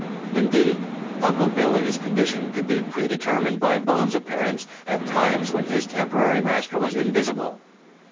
Indeed, Uncle Billy's condition could be predetermined by Bones' appearance at times when his temporary master was invisible.